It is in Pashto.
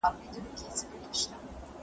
ورور وژنه بس کړئ.